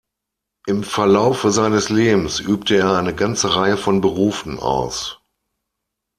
Im Verlaufe seines Lebens übte er eine ganze Reihe von Berufen aus.